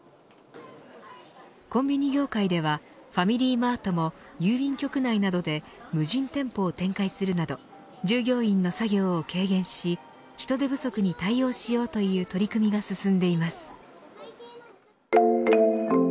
コンビニ業界ではファミリーマートも郵便局内などで無人店舗を展開するなど従業員の作業を軽減し人手不足に対応しようという取り組みが進んでいます。